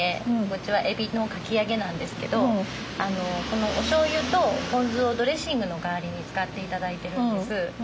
こっちはエビのかき揚げなんですけどこのおしょうゆとポン酢をドレッシングの代わりに使って頂いてるんです。